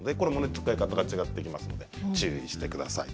使い方が違ってきますので注意してください。